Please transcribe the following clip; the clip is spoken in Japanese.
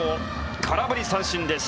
空振り三振です。